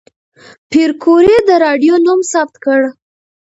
پېیر کوري د راډیوم نوم ثبت کړ.